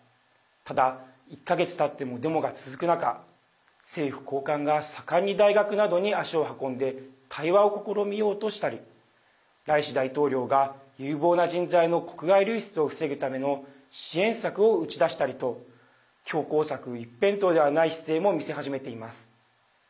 ただ、１か月たってもデモが続く中、政府高官が盛んに大学などに足を運んで対話を試みようとしたりライシ大統領が有望な人材の国外流出を防ぐための支援策を打ち出したりと強硬策一辺倒ではない姿勢も見せ始めています。